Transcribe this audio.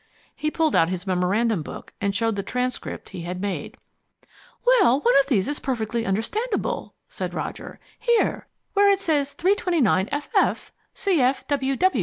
He pulled out his memorandum book, and showed the transcript he had made. "Well, one of these is perfectly understandable," said Roger. "Here, where it says 329 ff. cf. W.